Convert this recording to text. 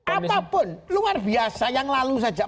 apapun luar biasa yang lalu saja